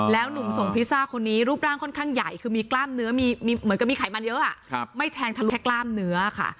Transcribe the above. หนุ่มส่งพิซซ่าคนนี้รูปร่างค่อนข้างใหญ่คือมีกล้ามเนื้อมีเหมือนกับมีไขมันเยอะไม่แทงทะลุกล้ามเนื้อค่ะ